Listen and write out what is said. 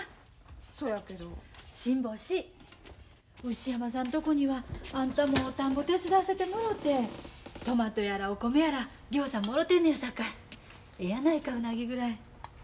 牛山さんとこにはあんたも田んぼ手伝わせてもろてトマトやらお米やらぎょうさんもろてんねやさかいええやないかウナギぐらい。